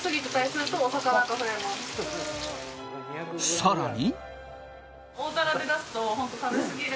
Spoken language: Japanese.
さらに。